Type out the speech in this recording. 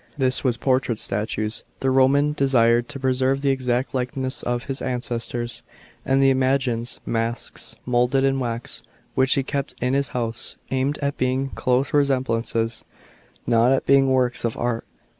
This was portrait statues. The Roman desired to preserve the exact likeness of his ancestors, and the imagines, masks moulded in wax, which he kept in his house, aimed at being close resemblances, not at being works of art.